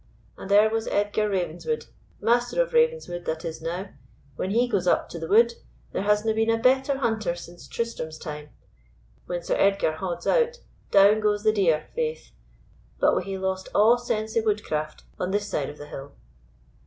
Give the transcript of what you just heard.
And there was Edgar Ravenswood—Master of Ravenswood that is now—when he goes up to the wood—there hasna been a better hunter since Tristrem's time—when Sir Edgar hauds out, down goes the deer, faith. But we hae lost a' sense of woodcraft on this side of the hill."